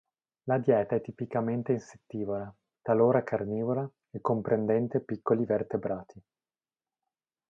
La dieta è tipicamente insettivora, talora carnivora e comprendente piccoli vertebrati.